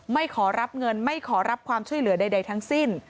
ไม่ขอรับเงินไม่ขอรับความช่วยเหลือใดทั้งสิ้น